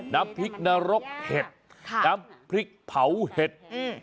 น้ำพริกนรกเห็ดน้ำพริกเผาเห็ด